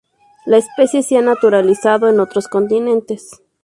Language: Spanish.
La especie se ha naturalizado en otros continentes.